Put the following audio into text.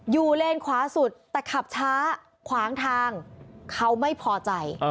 เลนขวาสุดแต่ขับช้าขวางทางเขาไม่พอใจ